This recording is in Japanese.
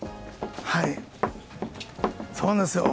はい、そうなんです。